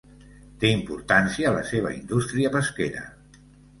Té importància la seva indústria pesquera.